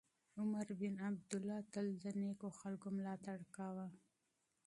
عمر بن عبیدالله تل د نېکو خلکو ملاتړ کاوه.